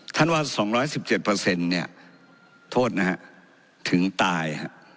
ว่า๒๑๗เนี่ยโทษนะฮะถึงตาย